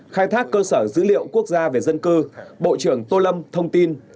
khai thác cơ sở dữ liệu quốc gia về dân cư bộ trưởng tô lâm thông tin